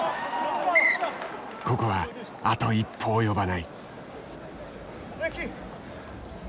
ここはあと一歩及ばない。